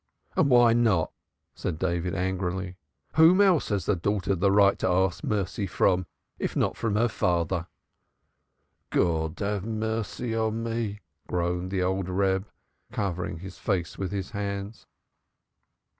"And why not?" said David angrily. "Whom else has a daughter the right to ask mercy from, if not her father?" "God have mercy on me!" groaned the old Reb, covering his face with his hands.